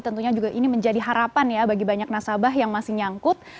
tentunya juga ini menjadi harapan ya bagi banyak nasabah yang masih nyangkut